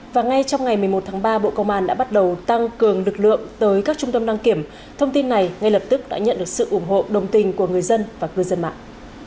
và ngay trong ngày một mươi một tháng ba bộ công an đã bắt đầu tăng cường lực lượng tới các trung tâm đăng kiểm thông tin này ngay lập tức đã nhận được sự ủng hộ đồng tình của người dân và cư dân mạng